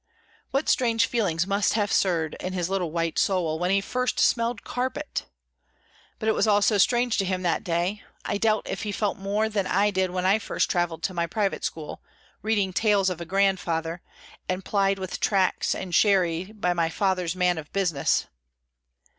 What strange feelings must have stirred in his little white soul when he first smelled carpet! But it was all so strange to him that day —I doubt if he felt more than I did when I first travelled to my private school, reading "Tales of a Grandfather," and plied with tracts and sherry by my 'father's man of business.